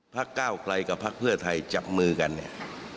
ก้าวไกลกับพักเพื่อไทยจับมือกันเนี่ย